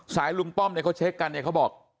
ลุงป้อมเนี่ยเขาเช็คกันเนี่ยเขาบอก